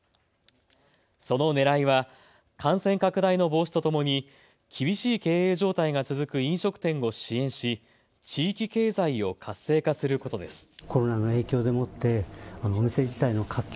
そのねらいは感染拡大の防止とともに厳しい経営状態が続く飲食店を支援し地域経済を活性化することです。